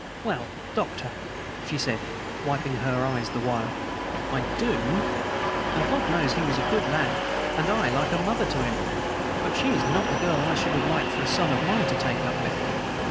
"Well, Doctor," she said, wiping her eyes the while, "I DO. And God knows he was a good lad, and I like a mother to him; but she is not the girl I should have liked a son of mine to take up with."